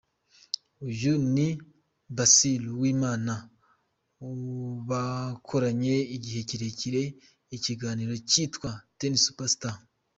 Uyu ni Basile Uwimana bakoranye igihe kirekire ikiganiro cyitwaga Ten Super Star .